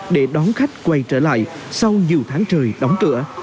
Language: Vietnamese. để đón khách quay trở lại sau nhiều tháng trời đóng cửa